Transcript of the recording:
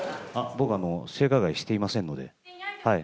僕は性加害していませんので。